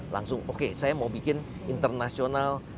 langsung oke saya mau bikin internasional